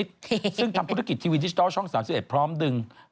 ซึ่งทำธุรกิจทีวีดิจิทัลช่อง๓๑พร้อมดึง